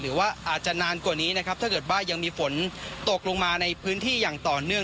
หรือว่าอาจจะนานกว่านี้นะครับถ้าเกิดว่ายังมีฝนตกลงมาในพื้นที่อย่างต่อเนื่อง